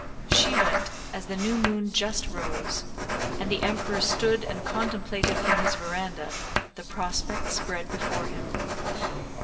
She went as the new moon just rose, and the Emperor stood and contemplated from his veranda the prospect spread before him.